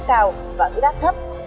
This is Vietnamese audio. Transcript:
và hư đáp thấp